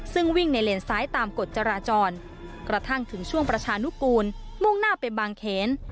ซึ่งวิ่งในเลนซ้ายตามกฎจราจรกระทั่งถึงช่วงประชานุกูลมุ่งหน้าไปบางเขน